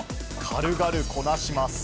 軽々こなします。